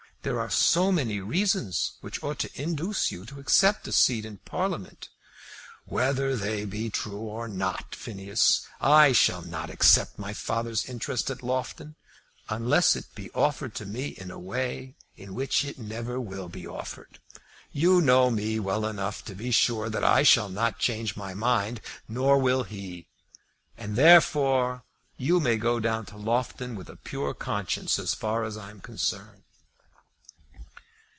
There are so many reasons which ought to induce you to accept a seat in Parliament!" "Whether that be true or not, Phineas, I shall not accept my father's interest at Loughton, unless it be offered to me in a way in which it never will be offered. You know me well enough to be sure that I shall not change my mind. Nor will he. And, therefore, you may go down to Loughton with a pure conscience as far as I am concerned."